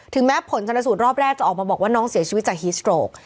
แม้ผลชนสูตรรอบแรกจะออกมาบอกว่าน้องเสียชีวิตจากฮิสโตรก